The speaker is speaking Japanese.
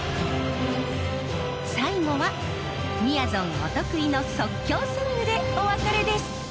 最後はみやぞんお得意の即興ソングでお別れです。